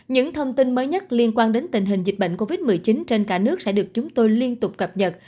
những thông tin mới nhất liên quan đến tình hình dịch bệnh covid một mươi chín trên cả nước sẽ được chúng tôi liên tục cập nhật